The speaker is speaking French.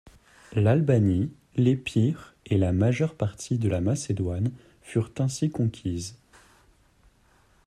L’Albanie, l’Épire et la majeure partie de la Macédoine furent ainsi conquises.